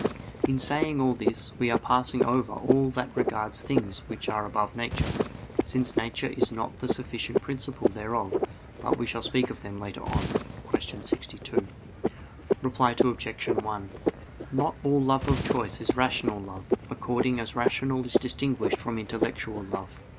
In saying all this, we are passing over all that regards things which are above nature, since nature is not the sufficient principle thereof: but we shall speak of them later on (Q. 62). Reply Obj. 1: Not all love of choice is rational love, according as rational is distinguished from intellectual love.